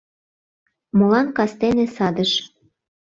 Молан кастене садыш